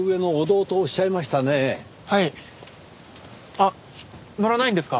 あっ乗らないんですか？